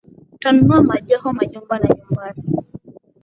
Utanunua majoho, majumba na nyumbani,